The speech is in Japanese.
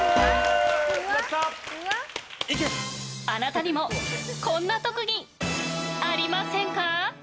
あなたにもこんな特技ありませんか？